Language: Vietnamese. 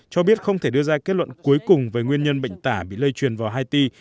cho biết không thể đưa ra kết luận cuối cùng về nguyên nhân bệnh tả bị lây truyền vào haiti